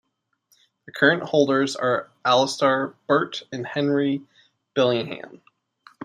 The current holders are Alistair Burt and Henry Bellingham.